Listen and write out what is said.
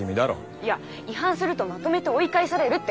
いや「違反するとまとめて追い返される」って書いてあります。